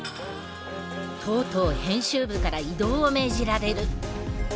とうとう編集部から異動を命じられる。